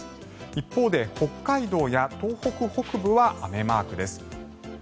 一方で、北海道や東北北部は雨マークです。